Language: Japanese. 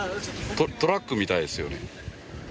トラックみたいですね。